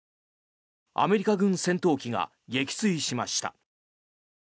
アメリカ軍戦闘機が撃墜しました。